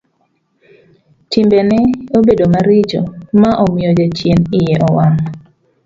Timbe ne obedo maricho ma omiyo jachien iye owang'.